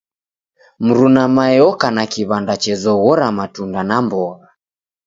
Mruna mae oka na kiw'anda chezoghora matunda na mbogha.